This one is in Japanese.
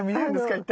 一体。